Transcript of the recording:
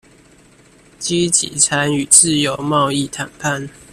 積極參與自由貿易談判